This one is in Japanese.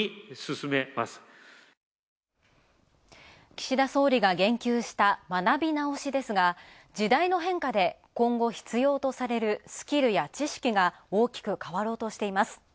岸田総理が言及した、学び直しですが、時代の変化で今後必要とされるスキルや知識が大きく変わろうとしています。